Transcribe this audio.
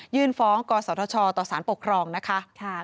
ยื่นฟ้องกสวทชต่อสารปกครองนะคะ